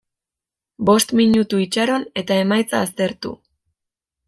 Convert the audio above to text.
Bost minutu itxaron eta emaitza aztertu.